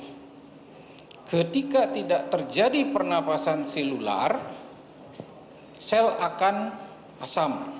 jadi ketika tidak terjadi pernafasan selular sel akan asam